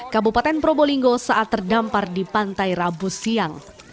kabupaten probolinggo saat terdampar di pantai rabu siang